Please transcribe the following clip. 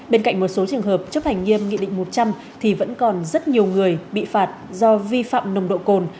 bên cạnh một số trường hợp chấp hành nghiêm nghị định một trăm linh thì vẫn còn rất nhiều người bị phạt do vi phạm nồng độ cồn